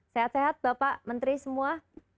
sehat sehat bapak menteri semua